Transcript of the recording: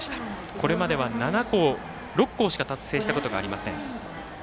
これまでは、６校しか達成したことがありません。